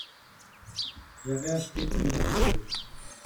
J’avais acheté plusieurs choses.